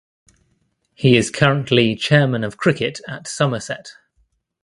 He is currently Chairman of Cricket at Somerset.